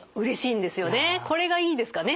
これがいいんですかね。